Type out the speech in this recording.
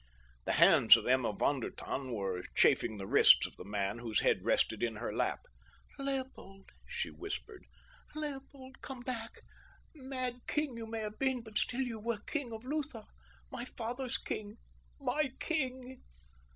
The hands of Emma von der Tann were chafing the wrists of the man whose head rested in her lap. "Leopold!" she whispered. "Leopold, come back! Mad king you may have been, but still you were king of Lutha—my father's king—my king."